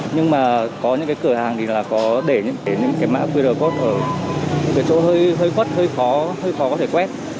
nhưng mà có những cái cửa hàng thì là có để những cái mã qr code ở những cái chỗ hơi quất hơi khó hơi khó có thể quét